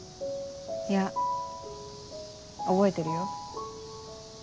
いや覚えてるよ。